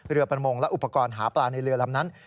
ประมงและอุปกรณ์หาปลาในเรือลำนั้น